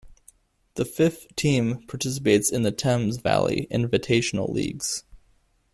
The fifth team participates in the Thames Valley Invitational Leagues.